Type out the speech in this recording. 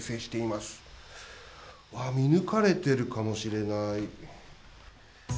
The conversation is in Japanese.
うわー、見抜かれているかもしれない。